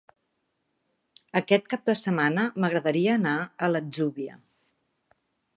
Aquest cap de setmana m'agradaria anar a l'Atzúbia.